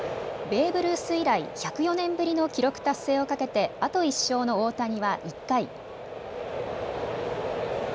ベーブ・ルース以来、１０４年ぶりの記録達成をかけてあと１勝の大谷は１回。